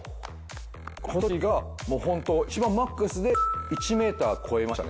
このときがもうホントいちばんマックスで１ｍ超えましたね